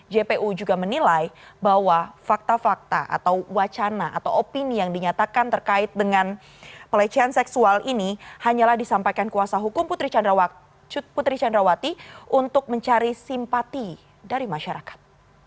jpu juga menilai bahwa fakta fakta atau wacana atau opini yang dinyatakan terkait dengan pelecehan seksual ini hanyalah disampaikan kuasa hukum putri candrawati untuk mencari simpati dari masyarakat